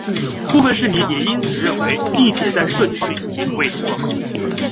部分市民因此认为地铁在设计方面细节未能做好。